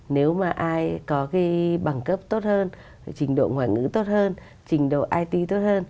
nếu mà ai có cái bằng cấp tốt hơn trình độ ngoại ngữ tốt hơn trình độ it tốt hơn